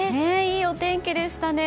いいお天気でしたね。